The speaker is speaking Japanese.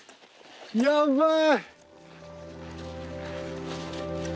やばい！